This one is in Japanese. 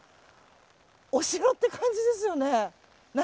お城って感じですよね。